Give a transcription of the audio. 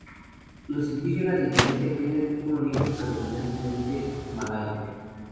Los indígenas de Indonesia tienen un origen predominantemente malayo.